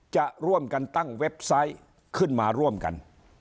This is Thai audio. จะร่วมกันตั้งเว็บไซต์ขึ้นมาร่วมกัน